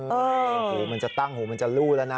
โอ้โหมันจะตั้งหูมันจะลู่แล้วนะ